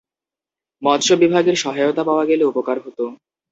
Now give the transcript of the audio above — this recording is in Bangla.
মৎস্য বিভাগের সহায়তা পাওয়া গেলে উপকার হতো।